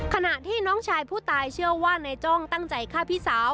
ขณะที่น้องชายผู้ตายเชื่อว่านายจ้องตั้งใจฆ่าพี่สาว